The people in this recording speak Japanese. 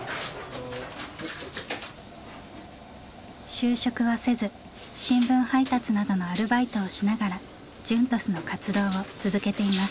就職はせず新聞配達などのアルバイトをしながらＪＵＮＴＯＳの活動を続けています。